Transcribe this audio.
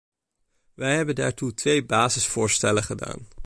Wij hebben daartoe twee basisvoorstellen gedaan.